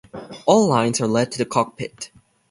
All lines are led to the cockpit.